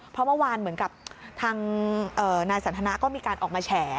เพราะเมื่อวานเหมือนกับทางนายสันทนาก็มีการออกมาแฉ